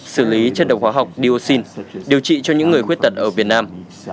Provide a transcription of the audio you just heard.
xử lý chất độc hóa học dioxin điều trị cho những người khuyết tật ở việt nam